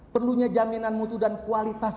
perlunya jaminan mutu dan kualitas